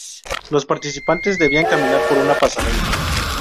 Los participantes debían caminar por una pasarela.